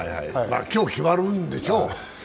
今日、決まるんでしょう。